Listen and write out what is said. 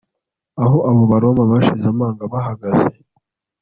Aho abo Baroma bashize amanga bahagaze